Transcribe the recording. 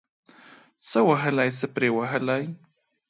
څه وهلي ، څه پري وهلي.